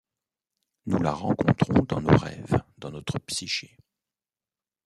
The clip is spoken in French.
Nous la rencontrons dans nos rêves, dans notre psyché.